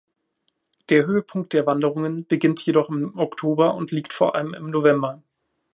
Der Höhepunkt der Wanderungen beginnt jedoch im Oktober und liegt vor allem im November.